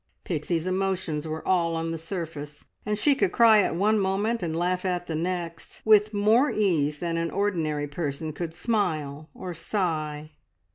Pixie's emotions were all on the surface, and she could cry at one moment and laugh at the next, with more ease than an ordinary person could smile or sigh.